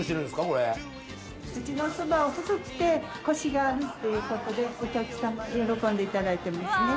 うちのそばは細くてコシがあるっていうことでお客様喜んでいただいてますね